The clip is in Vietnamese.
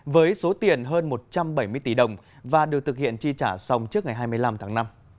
với số tiền hơn một trăm bảy mươi tỷ đồng và được thực hiện chi trả xong trước ngày hai mươi năm tháng năm